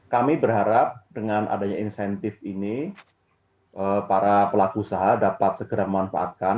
kami berharap dengan adanya insentif ini para pelaku usaha dapat segera memanfaatkan